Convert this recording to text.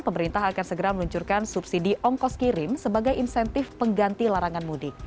pemerintah akan segera meluncurkan subsidi ongkos kirim sebagai insentif pengganti larangan mudik